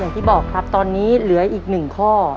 อย่างที่บอกครับตอนนี้เหลืออีก๑ข้อ